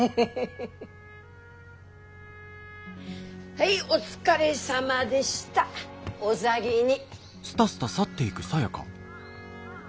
はいお疲れさまでしたお先に。